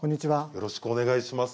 よろしくお願いします。